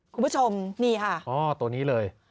คุณผู้ชมนี่ค่ะอ๋อตัวนี้เลย